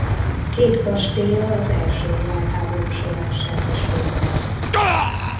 Két kastélya az első világháború során semmisült meg.